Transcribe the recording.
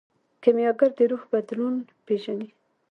کیمیاګر د روح بدلون پیژني.